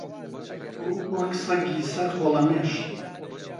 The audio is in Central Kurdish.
وەک سەگی سەر خۆڵەمێش